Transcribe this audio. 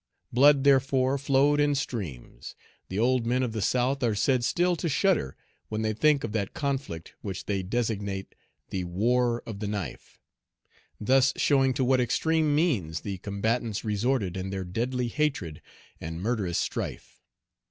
Blood, therefore, flowed in streams. The old men of the South are said still to shudder when they think of that conflict, which they designate "the war of the knife," thus showing to what extreme means the combatants resorted in their deadly hatred and murderous strife.